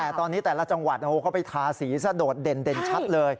แต่ตอนนี้แต่ละจังหวัดเขาไปทาสีซะโดดเด่นชัดเลย